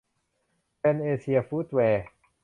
แพนเอเซียฟุตแวร์